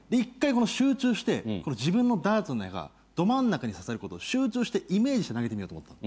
１回集中して自分のダーツの矢がど真ん中に刺さることを集中してイメージして投げてみようと。